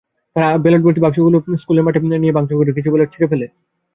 তারা ব্যালটভর্তি বাক্সগুলো স্কুলের মাঠে নিয়ে ভাঙচুর করে, কিছু ব্যালট ছিঁড়ে ফেলে।